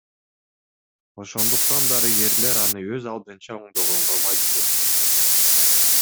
Ошондуктан дарыгерлер аны өз алдынча оңдогонго мажбур.